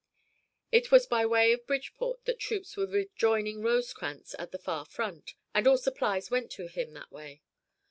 It was by way of Bridgeport that troops were joining Rosecrans at the far front, and all supplies went to him that way.